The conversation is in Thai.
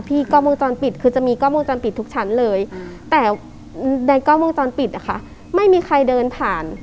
กล้องวงจรปิดคือจะมีกล้องวงจรปิดทุกชั้นเลยแต่ในกล้องวงจรปิดนะคะไม่มีใครเดินผ่าน